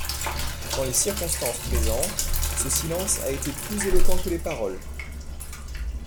Dans les circonstances présentes, ce silence a été plus éloquent que les paroles.